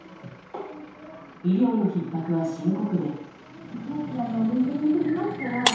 医療のひっ迫は深刻で。